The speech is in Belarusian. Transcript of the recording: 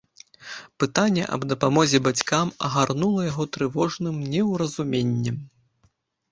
Пытанне аб дапамозе бацькам агарнула яго трывожным неўразуменнем.